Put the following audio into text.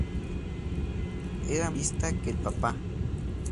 Era más papista que el Papa